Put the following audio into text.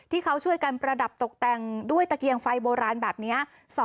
ที่เขาช่วยกันประดับตกแต่งด้วยตะเกียงไฟโบราณแบบนี้